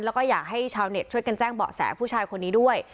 แล้วก็อยากให้ชาวเน็ตช่วยกันแจ้งเบาะแสผู้ชายคนนี้ด้วย